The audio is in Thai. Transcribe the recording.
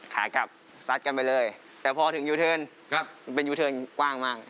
ขากลับซัดกันไปเลยแต่พอถึงยูเทิร์นเป็นยูเทิร์นกว้างมาก